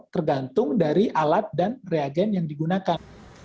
tergantung dari alat dan reagen yang digunakan